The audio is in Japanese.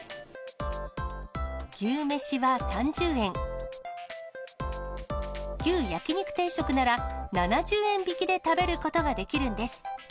牛めしは３０円、牛焼肉定食なら７０円引きで食べることができるんです。